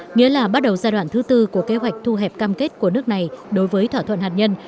nghĩa là bắt đầu giai đoạn thứ tư của kế hoạch thu hẹp cam kết của nước này đối với thỏa thuận hạt nhân